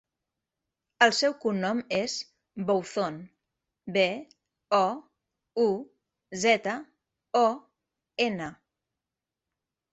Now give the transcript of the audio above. El seu cognom és Bouzon: be, o, u, zeta, o, ena.